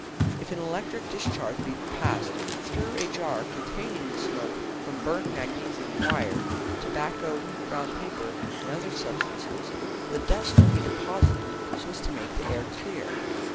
If an electric discharge be passed through a jar containing the smoke from burnt magnesium wire, tobacco, brown paper, and other substances, the dust will be deposited so as to make the air clear.